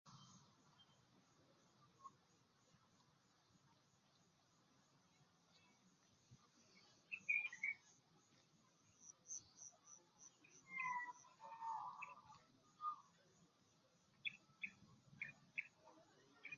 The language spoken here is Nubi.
Ana ajira nyagwa, ana ajira nyagwa.